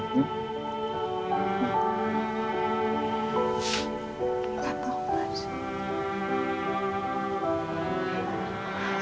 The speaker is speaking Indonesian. gak tau mas